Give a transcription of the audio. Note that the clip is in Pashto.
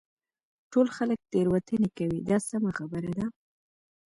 ټول خلک تېروتنې کوي دا سمه خبره ده.